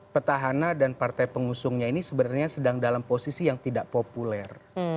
petahana dan partai pengusungnya ini sebenarnya sedang dalam posisi yang tidak populer